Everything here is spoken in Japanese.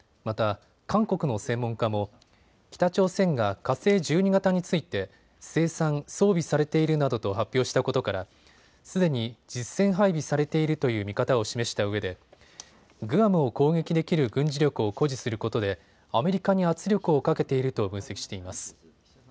また韓国の専門家も北朝鮮が火星１２型について生産、装備されているなどと発表したことからすでに実戦配備されているという見方を示したうえでグアムを攻撃できる軍事力を誇示することでアメリカに圧力をかけていると分析しています。